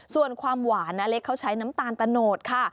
ส่วนความหวานนาเล็กเขาใช้น้ำตาลตะโนดค่ะ